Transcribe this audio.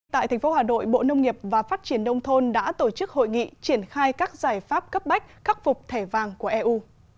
tại tp hcm bộ nông nghiệp và phát triển đông thôn đã tổ chức hội nghị triển khai các giải pháp cấp bách khắc phục thẻ vàng của eu